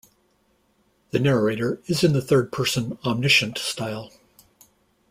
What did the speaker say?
The narrator is in the Third-Person Omniscient style.